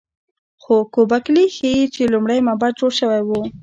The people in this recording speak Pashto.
خو ګوبک لي ښيي چې لومړی معبد جوړ شوی و.